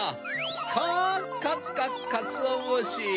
かっかっかかつおぶし！